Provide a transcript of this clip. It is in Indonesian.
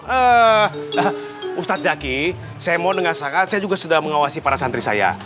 eee ustadz zaky saya mau dengar sangat saya juga sedang mengawasi para santri saya